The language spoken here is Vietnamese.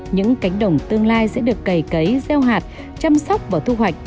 những cánh đồng tương lai sẽ được cày cấy gieo hạt chăm sóc và thu hoạch